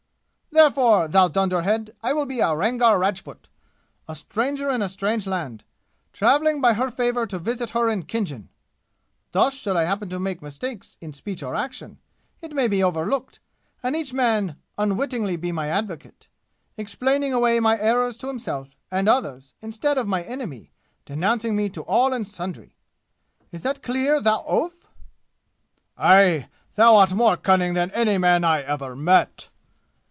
"Therefore, thou dunderhead, I will be a Rangar Rajput, a stranger in a strange land, traveling by her favor to visit her in Khinjan! Thus, should I happen to make mistakes in speech or action, it may be overlooked, and each man will unwittingly be my advocate, explaining away my errors to himself and others instead of my enemy denouncing me to all and sundry! Is that clear, thou oaf?" "Aye! Thou art more cunning than any man I ever met!"